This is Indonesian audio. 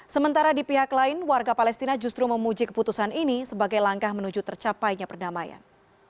sementara di pihak lain warga palestina justru memuji keputusan ini sebagai langkah menuju tercapainya perdamaian